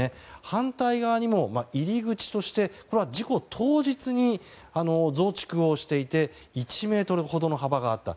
反対側にも入り口として事故当日に増築をしていて１ｍほどの幅があった。